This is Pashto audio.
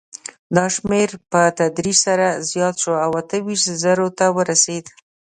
دا شمېر په تدریج سره زیات شو او اته ویشت زرو ته ورسېد.